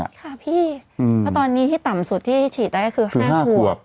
ค่ะพี่เพราะตอนนี้ที่ต่ำสุดที่ฉีดได้ก็คือ๕ขวบ